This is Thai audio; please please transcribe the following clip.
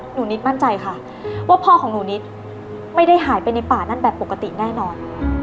นิดมั่นใจค่ะว่าพ่อของหนูนิดไม่ได้หายไปในป่านั้นแบบปกติแน่นอน